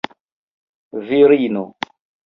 virino